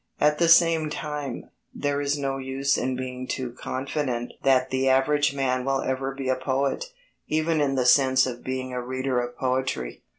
At the same time, there is no use in being too confident that the average man will ever be a poet, even in the sense of being a reader of poetry.